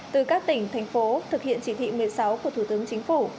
từ các tỉnh thành phố thực hiện chỉ thị một mươi sáu của thủ tướng chính phủ